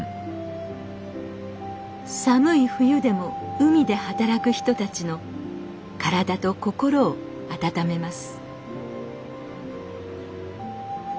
寒い冬でも海で働く人たちの体と心を温めます